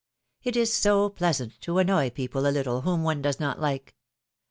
It is so pleasant to annoy people a little whom one does not like.